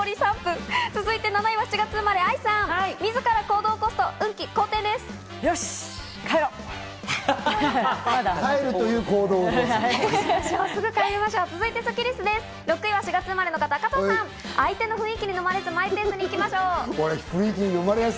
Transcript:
続いて７位は７月生まれの方、愛さんです。